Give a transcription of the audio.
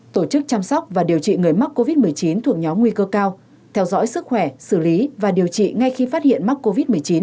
tổ chức chăm sóc và điều trị người mắc covid một mươi chín thuộc nhóm nguy cơ cao theo dõi sức khỏe xử lý và điều trị ngay khi phát hiện mắc covid một mươi chín